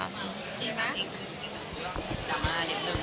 อีกทีนึงอีกทีนึงกลับมานิดนึง